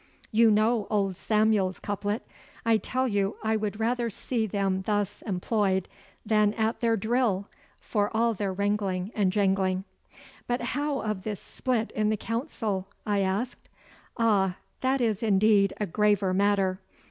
You know old Samuel's couplet. I tell you, I would rather see them thus employed than at their drill, for all their wrangling and jangling.' 'But how of this split in the council?' I asked. 'Ah, that is indeed a graver matter.